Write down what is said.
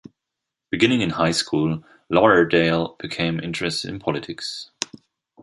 Beginning in high school, Lauderdale became interested in politics.